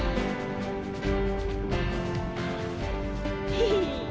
ヘヘ。